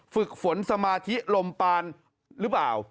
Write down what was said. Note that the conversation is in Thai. ฝึกฝนสมาธิลมปานหรือเปล่า